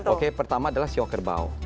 oke pertama adalah siok kerbau